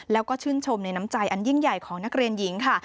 แล้วก็ชื่นชมในน้ำใจอันยิ่งใหญ่ของนักเรียนหญิงค่ะ